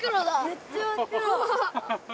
めっちゃ真っ黒。